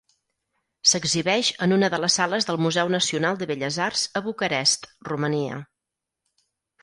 S'exhibeix en una de les sales del Museu Nacional de Belles Arts a Bucarest, Romania.